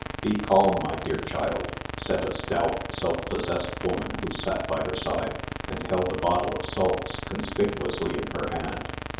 "Be calm, my dear child," said a stout, self possessed woman who sat by her side, and held a bottle of salts conspicuously in her hand.